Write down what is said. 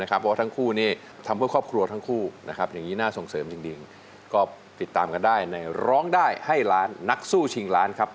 ก็ติดตามกันได้ในร้องได้ให้ล้านนักสู้ชิงล้านครับ